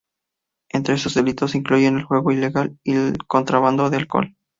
Entre sus delitos se incluyen el juego ilegal, y el contrabando de alcohol.